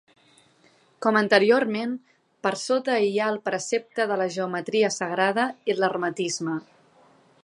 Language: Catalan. Com anteriorment, per sota hi ha el precepte de la geometria sagrada i l'hermetisme.